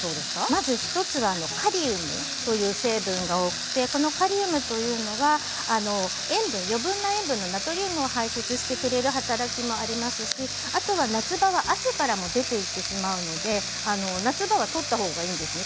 まず１つはカリウムという成分が多くてこのカリウムというのは余分な塩分、ナトリウムを排出してくれる働きがありますしあとは夏場は汗からも出てきてしまうので夏場はとったほうがいいですね。